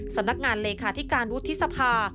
สำนักงานเลขาธิการวุฒิสภา